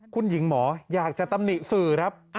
คุณหญิงหมออยากจะตำหนิสื่อครับ